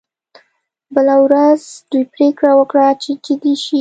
بله ورځ دوی پریکړه وکړه چې جدي شي